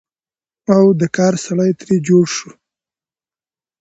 او د کار سړى تر جوړ شو،